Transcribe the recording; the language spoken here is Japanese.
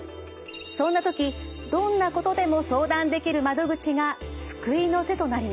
そんな時どんなことでも相談できる窓口が救いの手となります。